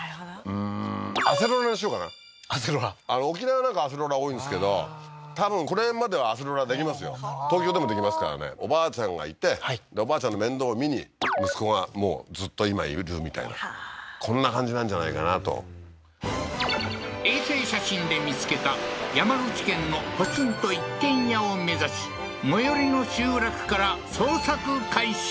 うーんアセロラにしようかなアセロラ沖縄なんかアセロラ多いんですけど多分この辺まではアセロラできますよはあー東京でもできますからねおばあちゃんがいておばあちゃんの面倒を見に息子がもうずっと今いるみたいなこんな感じなんじゃないかなと衛星写真で見つけた山口県のポツンと一軒家を目指し最寄りの集落から捜索開始